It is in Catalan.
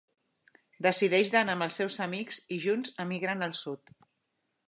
Decideix d'anar amb els seus amics, i junts emigren al sud.